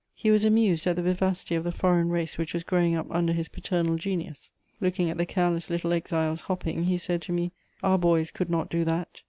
He was amused at the vivacity of the foreign race which was growing up under his paternal genius. Looking at the careless little exiles hopping, he said to me: "Our boys could not do that."